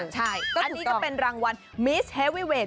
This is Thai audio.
อันนี้ก็เป็นรางวัลมิสเฮวีเวท